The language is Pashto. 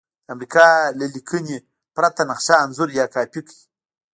د امریکا له لکنې پرته نقشه انځور یا کاپي کړئ.